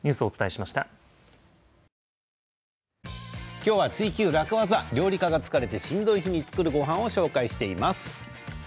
今日は「ツイＱ楽ワザ」料理家が疲れてしんどい日に作るごはんを紹介しています。